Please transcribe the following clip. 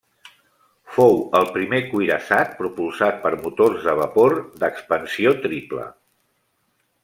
Fou el primer cuirassat propulsat per motors de vapor d'expansió triple.